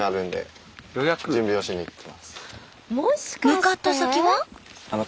向かった先は。